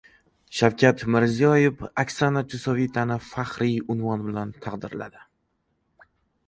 Shavkat Mirziyoyev Oksana Chusovitinani faxriy unvon bilan taqdirladi